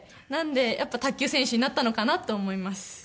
なのでやっぱり卓球選手になったのかなと思います。